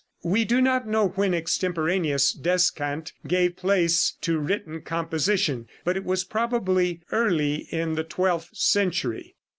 We do not know when extemporaneous descant gave place to written composition, but it was probably early in the twelfth century.